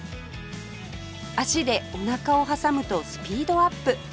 足でおなかを挟むとスピードアップ